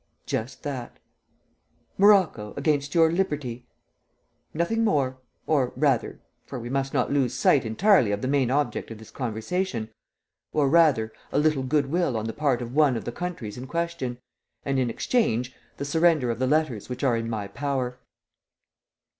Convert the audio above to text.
"Just that." "Morocco against your liberty!" "Nothing more ... or, rather for we must not lose sight entirely of the main object of this conversation or, rather, a little good will on the part of one of the countries in question ... and, in exchange, the surrender of the letters which are in my power."